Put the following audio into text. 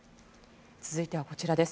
続いてはこちらです。